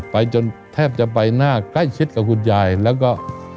จนแทบจะใบหน้าใกล้ชิดกับคุณยายแล้วก็